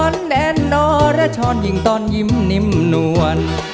อ่อนแน่นอรชนยิ่งตอนยิ่มนิ่มนวล